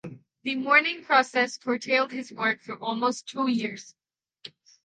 The mourning process curtailed his work for almost two years.